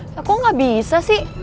ya kok gak bisa sih